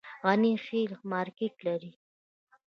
غني خیل مارکیټ لري؟